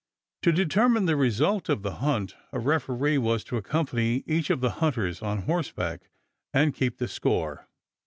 To determine the result of the hunt, a referee was to accompany each of the hunters on horseback and keep the score.